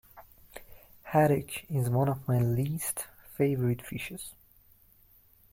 Haddock is one of my least favourite fishes